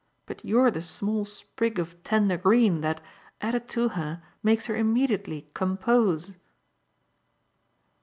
But you're the small sprig of tender green that, added to her, makes her immediately 'compose.